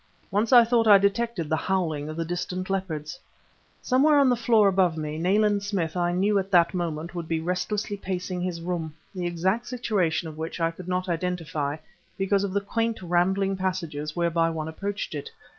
Once I thought I detected the howling of the distant leopards. Somewhere on the floor above me, Nayland Smith, I knew, at that moment would be restlessly pacing his room, the exact situation of which I could not identify, because of the quaint, rambling passages whereby one approached it.